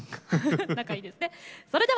仲いいですね。